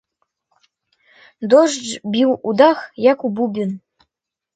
Дождж біў у дах, як у бубен.